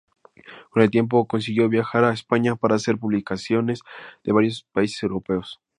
Con el tiempo, consiguió viajar a España para hacer publicidades de varios países europeos.